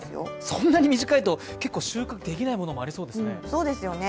そんなに短いと、結構収穫できないものもありそうですよね。